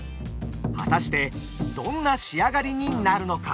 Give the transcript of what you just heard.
果たしてどんな仕上がりになるのか。